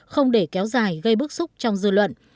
không để kéo dài gây bức xúc trong dư luận